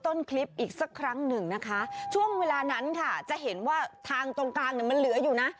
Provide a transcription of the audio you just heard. ต้นคลิปอีกสักครั้งหนึ่งนะคะช่วงเวลานั้นค่ะจะเห็นว่าทางตรงกลางเนี่ยมันเหลืออยู่นะ